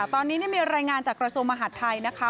ตอนนี้มีรายงานจากกระทรวงมหาดไทยนะคะ